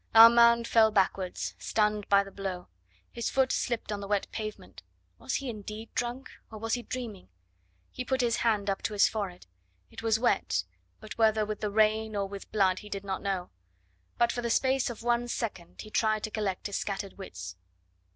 Armand fell backwards, stunned by the blow; his foot slipped on the wet pavement. Was he indeed drunk, or was he dreaming? He put his hand up to his forehead; it was wet, but whether with the rain or with blood he did not know; but for the space of one second he tried to collect his scattered wits.